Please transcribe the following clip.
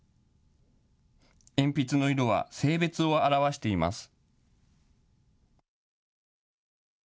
鉛筆の色は性別を表しています。